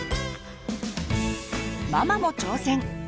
ママも挑戦！